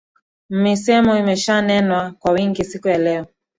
Misemo imeshanenwa kwa wingi siku ya leo.